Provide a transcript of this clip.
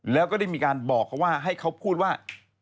แล้วก็ได้มีการบอกเขาว่าให้เขาพูดว่า